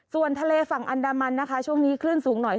ส่วนทะเลฝั่งอันดามันนะคะช่วงนี้คลื่นสูงหน่อย